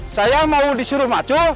saya mau disuruh maju